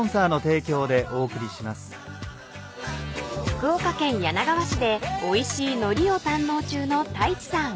［福岡県柳川市でおいしいのりを堪能中の太一さん］